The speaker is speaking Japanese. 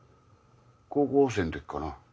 高校生のときかな？